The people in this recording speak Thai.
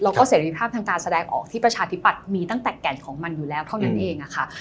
แล้วก็เสรีภาพทางการแสดงออกที่ประชาธิปัตย์มีตั้งแต่แก่นของมันอยู่แล้วเท่านั้นเองค่ะ